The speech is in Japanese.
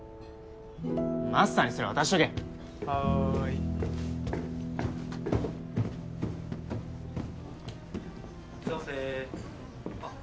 マスターにそれ渡しとけはーいいらっしゃいませあっ